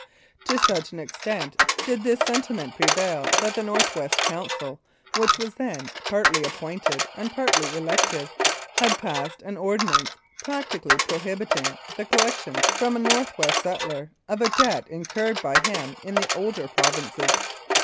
To such an extent did this sentiment prevail that the North West Council, which was then partly ap pointed and partly elective, had passed an Ordinance practically prohibiting the collection from a North West settler of a debt incurred by him in the older provinces.